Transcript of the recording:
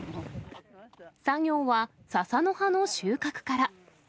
作業は笹の葉の収穫から。